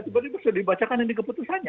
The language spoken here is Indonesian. tiba tiba sudah dibacakan ini keputusannya